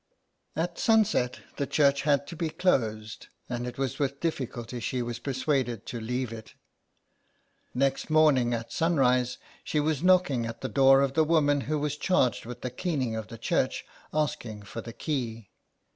At sunset the church had to be closed, and it was with difficulty she was persuaded to leave it. Next morning at sunrise she was knocking at the door of the woman who was charged with the cleaning of the church, asking for the key.